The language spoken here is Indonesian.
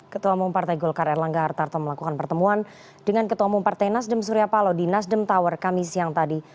ketua umum partai golkar erlangga hartarto melakukan pertemuan dengan ketua umum partai nasdem surya palo di nasdem tower kami siang tadi